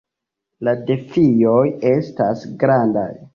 La defioj estas grandaj.